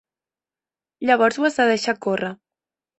Llavors ho has de deixar córrer.